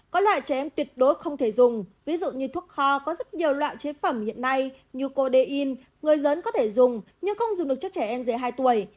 có loại trẻ em tuyệt đối không thể dùng ví dụ như thuốc kho có rất nhiều loại chế phẩm hiện nay như code người lớn có thể dùng nhưng không dùng được cho trẻ em dưới hai tuổi